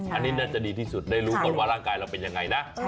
อันนี้น่าจะดีที่สุดได้รู้ก่อนว่าร่างกายเราเป็นยังไงนะ